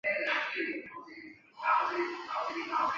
佐洛韦格。